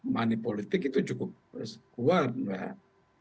money politik itu cukup kuat mbak